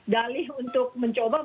dalih untuk mencoba